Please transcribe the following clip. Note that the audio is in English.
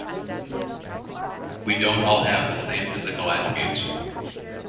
We don't all have the same physical attributes.